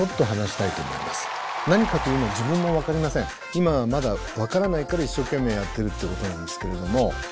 今はまだ分からないから一生懸命やってるってことなんですけれども。